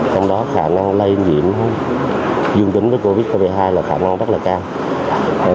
trong đó khả năng lây nhiễm dương tính với covid một mươi hai là khả năng rất là cao